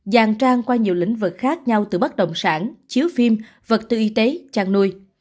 dàn trang qua nhiều lĩnh vực khác nhau từ bất đồng sản chiếu phim vật tư y tế trang nuôi